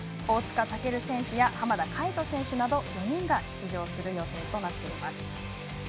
大塚健選手や浜田海人選手など４人が出場する予定となっています。